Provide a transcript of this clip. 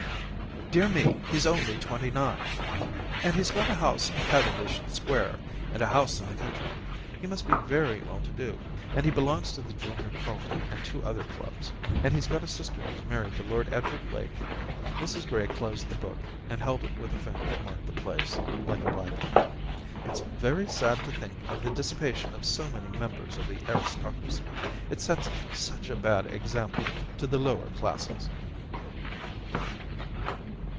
* Dear me, he's only twenty nine. •.. And he's got a house in Cavendish Square and a house in the country. 'He must be very well to do ; and he belongs to the Junior Carlton and two other clubs. ... And he's got a sister who's married to Lord Edward Lake.' Mrs Gray closed the book and held it with a finger to mark the place, like a Bible. * It's very sad to think of the dissipation of so many members of the aristocracy. It sets such a bad example to the lower classes.'